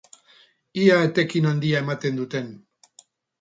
Ea etekin handia ematen duten.